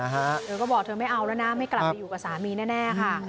เธอก็บอกเธอไม่เอาแล้วนะไม่กลับไปอยู่กับสามีแน่ค่ะ